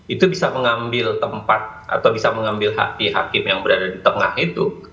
itu bisa mengambil tempat atau bisa mengambil hati hakim yang berada di tengah itu